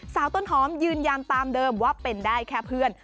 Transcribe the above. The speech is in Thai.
สาวต้นหอมยืนยันตามเดิมว่าเป็นได้แค่เพื่อน